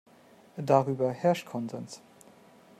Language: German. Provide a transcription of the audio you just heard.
Darüber herrscht Konsens.